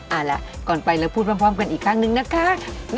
เอาละก่อนไปแล้วพูดพร้อมกันอีกครั้งนึงนะคะ